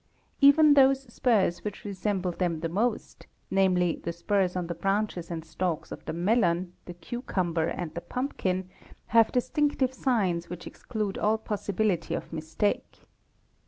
Even those spurs which resembled them the most, namely, the spurs on the branches and stalks of the melon, the cucumber, and the pumpkin, have distine tive signs which exclude all possibility of mistake.